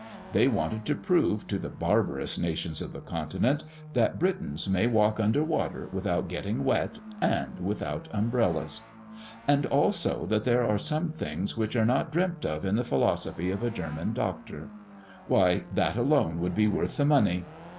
"They wanted, to prove to the barbarous nations of the Continent, that Britons may walk under water without getting wet and without umbrellas." "And also that there are some things which are not dreamt of in the philosophy of a German Doctor. Why, that alone would be worth the money!